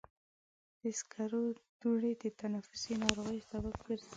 د سکرو دوړې د تنفسي ناروغیو سبب ګرځي.